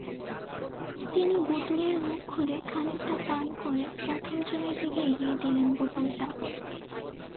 তিনি বোতলের মুখ খুলে খানিকটা পান করে প্রথমজনের দিকে এগিয়ে দিলেন বোতলটা।